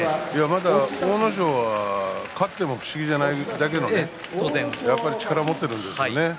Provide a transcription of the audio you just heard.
阿武咲は勝っても不思議じゃないだけの力を持っているんですよね。